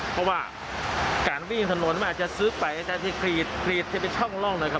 เพราะว่าการวิ่งถนนมันอาจจะซื้อไปแต่จะขหลีดเข้าไปช่องร่องหน่อยครับ